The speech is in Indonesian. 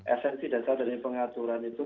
esensi dasar dari pengaturan itu